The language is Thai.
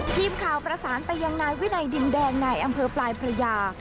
ทีมข่าวประสานไปยังไหนไว้ในดินแดงในอำเภอปลายพระยา